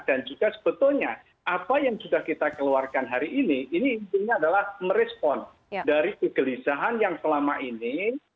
dan juga sebetulnya apa yang sudah kita keluarkan hari ini ini intinya adalah merespon dari kegelisahan yang selama ini